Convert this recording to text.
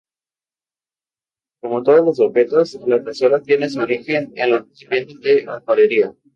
Como todos estos objetos, la "cazuela" tiene su origen en los recipientes de alfarería.